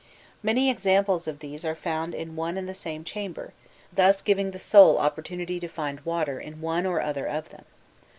Many examples of these are found in one and the same chamber,* thus giving the soul an opportunity of finding water in one or other of them.